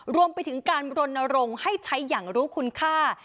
รวมไปถึงการรณรงค์ให้ใช้อย่างรู้คุณค่า